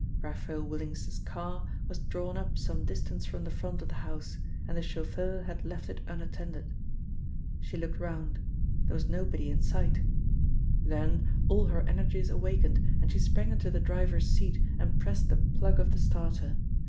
Raphael Willings's car was drawn up some distance from the front of the house, and the chauffeur had left it unattended. She looked round; there was nobody in sight; then all her energies awakened, and she sprang into the driver's seat and pressed the plug of the starter.